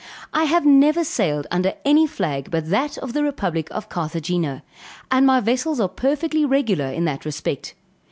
I have never sailed under any flag but that of the republic of Carthagena, and my vessels are perfectly regular in that respect.